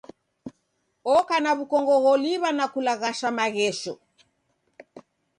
Oka na w'ukongo gholiw'a na kulaghasha maghesho.